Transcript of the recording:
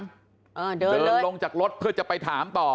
เดินลงจากรถเพื่อจะไปถามต่อ